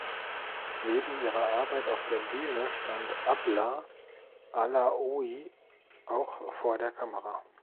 Neben ihrer Arbeit auf der Bühne stand Abla Alaoui auch vor der Kamera.